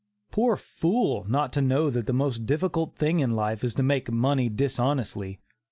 Poor fool! Not to know that the most difficult thing in life is to make money dishonestly!